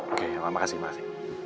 oke ya makasih makasih